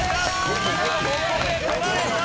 今ここで捉えた！